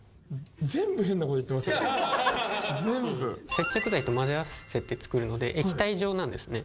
接着剤と混ぜ合わせて作るので液体状なんですね。